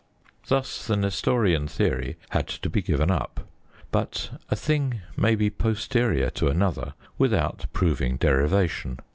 Thus the Nestorian theory had to be given up. But a thing may be posterior to another without proving derivation.